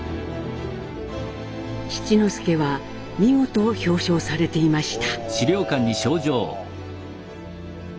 七之助は見事表彰されていました。